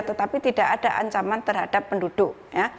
tetapi tidak ada ancaman terhadap penduduk ya